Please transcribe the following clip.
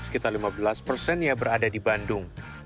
sekitar lima belas persennya berada di bandung